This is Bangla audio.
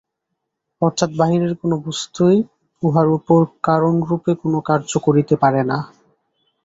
অর্থাৎ বাহিরের কোন বস্তুই উহার উপর কারণরূপে কোন কার্য করিতে পারে না।